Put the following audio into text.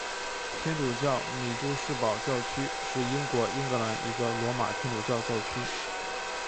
天主教米杜士堡教区是英国英格兰一个罗马天主教教区。